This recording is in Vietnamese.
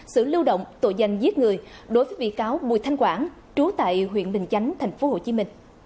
xử lưu động tội danh giết người đối với bị cáo bùi thanh quảng trú tại huyện bình chánh tp hcm